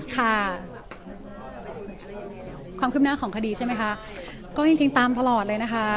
ค่ะความคืบหน้าของคดีใช่ไหมคะก็จริงตามตลอดเลยนะคะ